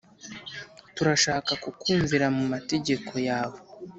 Turashaka kukumvira mu mategeko yawe